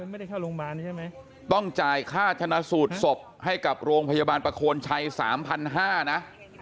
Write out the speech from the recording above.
ไม่ได้เข้าโรงพยาบาลใช่ไหมต้องจ่ายค่าชนะสูตรศพให้กับโรงพยาบาลประโคนชัย๓๕๐๐นะ